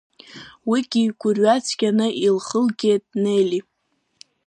Уигьы гәырҩа цәгьаны илхылгеит Нелли.